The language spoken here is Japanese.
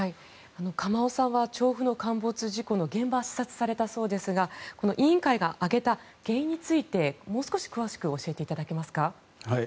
鎌尾さんは調布の陥没事故の現場を取材されたそうですがこの委員会が挙げた原因についてもう少し詳しく教えていただけますか。